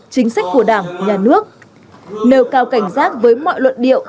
chính sách của đảng nhà nước nêu cao cảnh giác với mọi luận điệu